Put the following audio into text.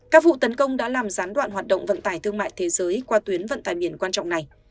các vụ tấn công đã làm gián đoạn hoạt động vận tải thương mại thế giới qua tuyến vận tải biển quan trọng này